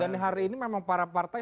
dan hari ini memang para partai